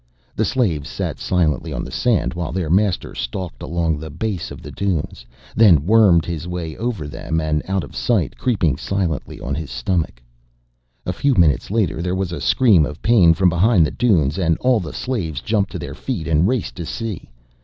The slaves sat silently on the sand while their master stalked along the base of the dunes, then wormed his way over them and out of sight, creeping silently on his stomach. A few minutes later there was a scream of pain from behind the dunes and all the slaves jumped to their feet and raced to see.